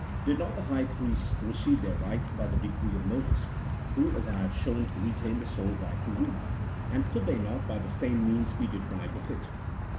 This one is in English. Did not the high priests receive their right by the decree of Moses (who, as I have shown, retained the sole right to rule), and could they not by the same means be deprived of it